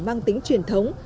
mang tính truyền thống